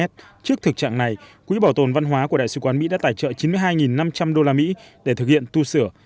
trước thực trạng này quỹ bảo tồn văn hóa của đại sứ quán mỹ đã tài trợ chín mươi hai năm trăm linh usd để thực hiện tu sửa